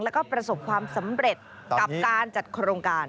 แล้วก็ประสบความสำเร็จกับการจัดโครงการ